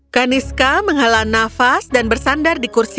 kaniska menghala nafas dan bersandar di kursi